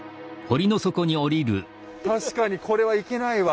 確かにこれはいけないわ。